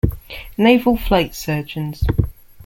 Naval Flight Surgeons.